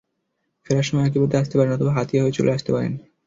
ফেরার সময় একই পথে আসতে পারেন, অথবা হাতিয়া হয়ে চলে আসতে পারেন।